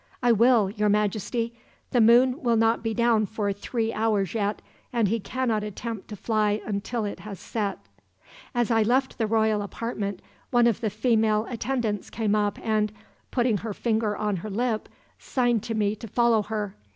"'I will, your Majesty. The moon will not be down for three hours, yet, and he cannot attempt to fly until it has set.' "As I left the royal apartment, one of the female attendants came up and, putting her finger on her lip, signed to me to follow her.